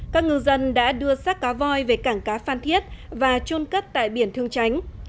các ngư dân đã đưa sát cá voi về cảng cá phan thiết và trôn cất tại biển thương tránh